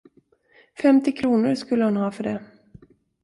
Femtio kronor skulle hon ha för det.